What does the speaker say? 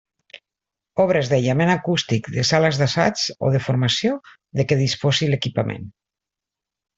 Obres d'aïllament acústic de sales d'assaig o de formació de què disposi l'equipament.